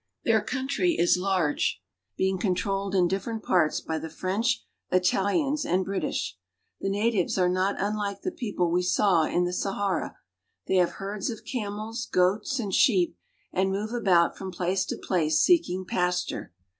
Their ^ country is large, being controlled in different parts by the French, Italians, and British. The natives are not im I like the people we saw L in the Sahara ; they I have herds of camels, |.([oats, and sheep, and I move about from place I to place seeking pas Iture.